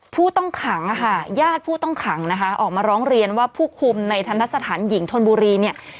ผู้ต้องขังค่ะญาติผู้ต้องขังนะคะออกมาร้องเรียนว่าผู้คุมในทันทะสถานหญิงธนบุรีเนี่ย